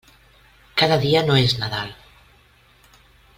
Cada dia no és Nadal.